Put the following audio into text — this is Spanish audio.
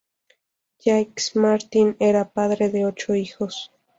Jacques Martin era padre de ocho hijos.